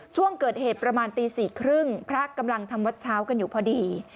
ช่วงเกิดเหตุประมาณตี๔๓๐พระกำลังทำวัดเช้ากันอยู่พอดี